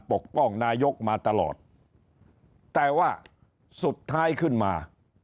ปกป้องนายกมาตลอดแต่ว่าสุดท้ายขึ้นมา